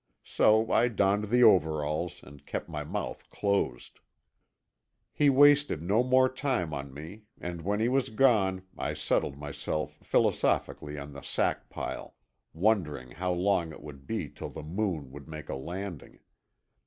So I donned the overalls and kept my mouth closed. He wasted no more time on me, and when he was gone I settled myself philosophically on the sack pile, wondering how long it would be till the Moon would make a landing.